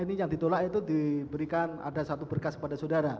ini yang ditolak itu diberikan ada satu berkas kepada saudara